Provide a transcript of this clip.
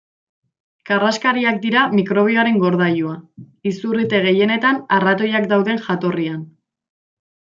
Karraskariak dira mikrobioaren gordailua; izurrite gehienetan arratoiak daude jatorrian.